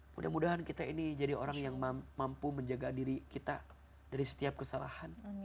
mudah mudahan kita ini jadi orang yang mampu menjaga diri kita dari setiap kesalahan